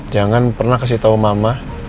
jangan pernah kasih tahu mama